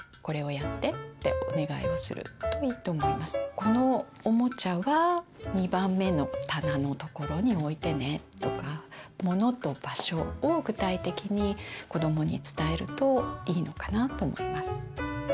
「このおもちゃは２番目の棚の所に置いてね」とかものと場所を具体的に子どもに伝えるといいのかなと思います。